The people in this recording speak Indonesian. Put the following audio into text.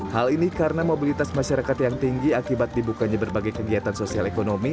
hal ini karena mobilitas masyarakat yang tinggi akibat dibukanya berbagai kegiatan sosial ekonomi